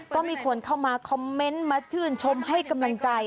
ก็มีคนเข้ามาคอมเมนต์มาชื่นชมให้กำลังใจ